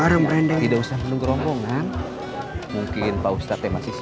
bareng rendah tidak usah menunggu rombongan mungkin pak ustadz yang masih sibuk